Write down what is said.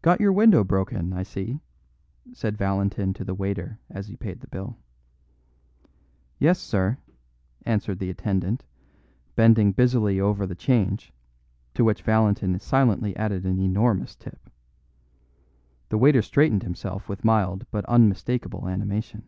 "Got your window broken, I see," said Valentin to the waiter as he paid the bill. "Yes, sir," answered the attendant, bending busily over the change, to which Valentin silently added an enormous tip. The waiter straightened himself with mild but unmistakable animation.